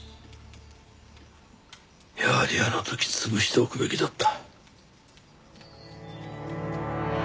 やはりあの時潰しておくべきだった。